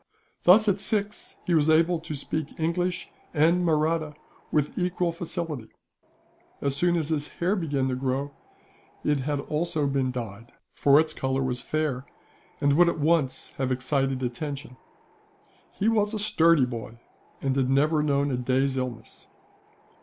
Thus, at six, he was able to speak English and Mahratta with equal facility. As soon as his hair began to grow, it had also been dyed; for its colour was fair, and would at once have excited attention. He was a sturdy boy, and had never known a day's illness.